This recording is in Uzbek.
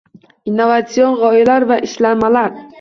Innovatsion g‘oyalar va ishlanmalar